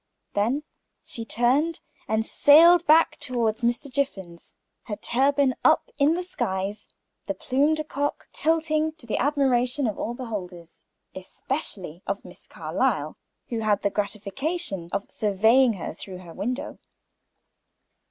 Then she turned and sailed back toward Mr. Jiffin's, her turban up in the skies and the plume de coq tossing to the admiration of all beholders, especially of Miss Carlyle, who had the gratification of surveying her from her window.